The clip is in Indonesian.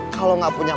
kalau mau jualan cilok